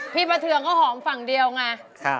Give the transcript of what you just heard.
ประเทืองก็หอมฝั่งเดียวไง